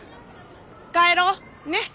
帰ろうねっ。